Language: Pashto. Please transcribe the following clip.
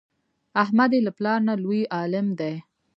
احمد یې له پلار نه لوی عالم دی.